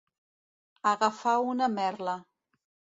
Agafar una merla.